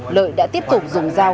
lợi đã tiếp tục dùng dao